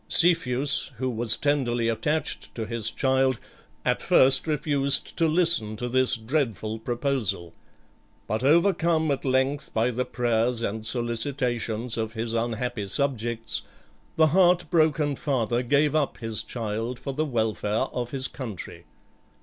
Cepheus, who was tenderly attached to his child, at first refused to listen to this dreadful proposal; but overcome at length by the prayers and solicitations of his unhappy subjects, the heart broken father gave up his child for the welfare of his country.